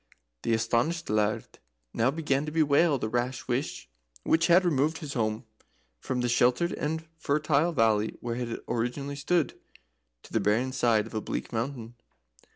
The astonished Laird now began to bewail the rash wish which had removed his home from the sheltered and fertile valley where it originally stood to the barren side of a bleak mountain.